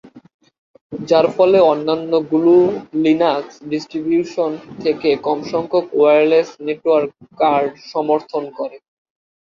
যার ফলে অন্যান্য গ্নু/লিনাক্স ডিস্ট্রিবিউশন থেকে কম সংখ্যক ওয়্যারলেস নেটওয়ার্ক কার্ড সমর্থন করে।